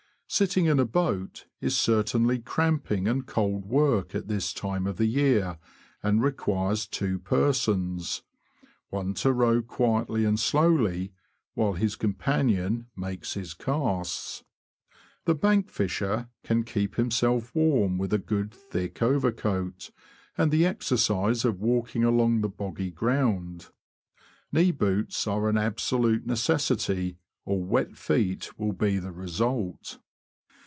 Sitting in a boat is certainly cramping and cold work at this time of the year, and requires two persons, one to row quietly and slowly, while his companion makes his casts. The bank fisher can keep himself warm with a good thick overcoat, and the exercise of walking along the boggy ground. Knee boots are an absolute necessity, or wet feet will be the result.